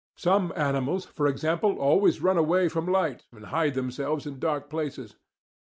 Some animals, for example, always run away from light and hide themselves in dark places.